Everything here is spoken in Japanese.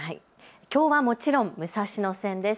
きょうはもちろん武蔵野線です。